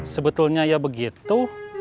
sebetulnya ya begitu